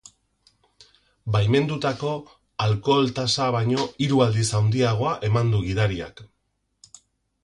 Baimendutako alkohol-tasa baino hiru aldiz handiagoa eman du gidariak.